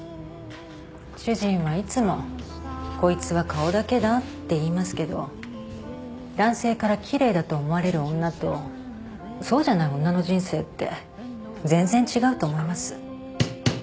主人はいつも「こいつは顔だけだ」って言いますけど男性から奇麗だと思われる女とそうじゃない女の人生って全然違うと思います。